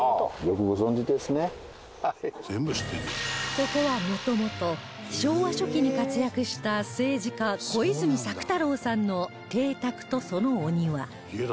ここはもともと昭和初期に活躍した政治家小泉策太郎さんの邸宅とそのお庭